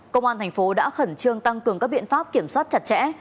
công an thành phố đã khẩn trương tăng cường các biện pháp kiểm soát chặt chẽ